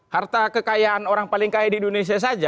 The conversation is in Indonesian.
harta kekayaan orang paling kaya di indonesia saja